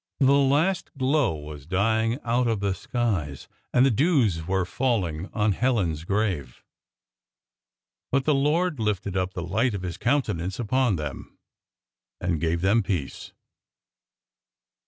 The last glow was dying out of the skies, and the dews were falling on Helen's grave. But the Lord lifted up the light of His countenance upon them, and gave them peace.